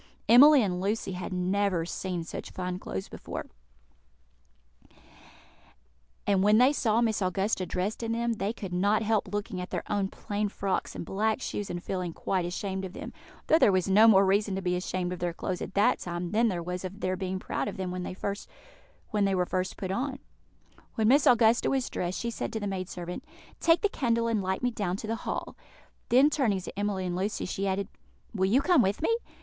Emily and Lucy had never seen such fine clothes before; and when they saw Miss Augusta dressed in them they could not help looking at their own plain frocks and black shoes and feeling quite ashamed of them, though there was no more reason to be ashamed of their clothes at that time than there was of their being proud of them when they were first put on. [Illustration: "Emily and Lucy had never seen such fine clothes before." Page 52.] When Miss Augusta was dressed, she said to the maid servant, "Take the candle and light me down to the hall." Then, turning to Emily and Lucy, she added, "Will you come with me?